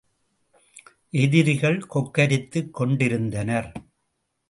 எதிரிகள் கொக்கரித்துக் கொண்டிருந்தனர்!